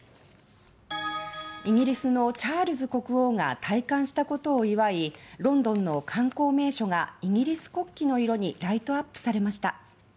イギリスのチャールズ国王が戴冠したことを祝いロンドンの観光名所がイギリス国旗の色にライトアップされました。